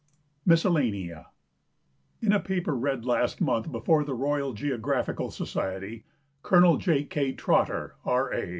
MISCELLANEA In a paper read last month before the Royal (leograpliical Society, Col. J. K. Trotter, R. A.